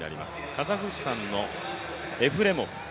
カザフスタンのエフレモフ。